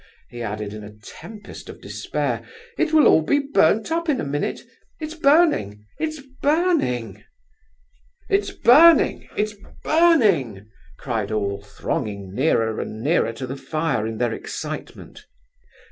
he added, in a tempest of despair, "it will all be burnt up in a minute—It's burning, it's burning!" "It's burning, it's burning!" cried all, thronging nearer and nearer to the fire in their excitement.